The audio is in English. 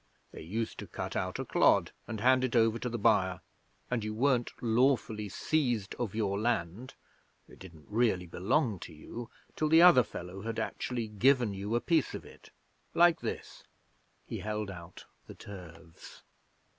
They used to cut out a clod and hand it over to the buyer, and you weren't lawfully seized of your land it didn't really belong to you till the other fellow had actually given you a piece of it like this.' He held out the turves.